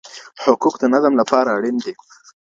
حقوق د نظم لپاره اړین دي.